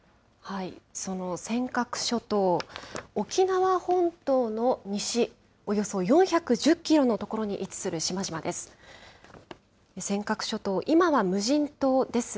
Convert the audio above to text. その尖閣諸島、沖縄本島の西およそ４１０キロの所に位置する島々です。